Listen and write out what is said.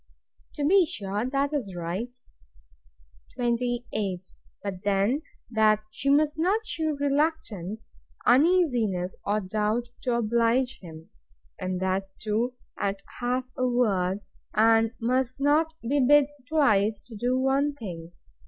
To be sure, that is right. 28. But then, that she must not shew reluctance, uneasiness, or doubt, to oblige him; and that too at half a word; and must not be bid twice to do one thing.